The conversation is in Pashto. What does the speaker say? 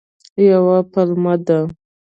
یوه پلمه ده.